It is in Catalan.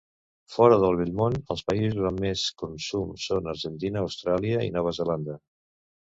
Fora del Vell Món, els països amb més consum són Argentina, Austràlia i Nova Zelanda.